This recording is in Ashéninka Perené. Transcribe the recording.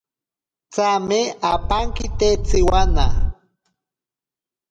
Tsame apankite tsiwana.